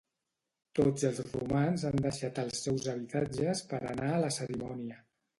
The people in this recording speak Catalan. Tots els romans han deixat els seus habitatges per anar a la cerimònia.